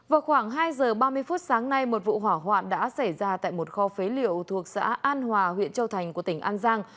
vào khoảng hai giờ ba mươi phút sáng nay một vụ hỏa hoạn đã xảy ra tại một kho phế liệu thuộc xã an hòa huyện châu thành của tỉnh an giang